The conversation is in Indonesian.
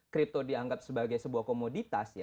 kripto dianggap sebagai sebuah komoditas